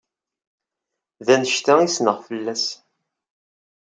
D anect-a ay ssneɣ fell-as.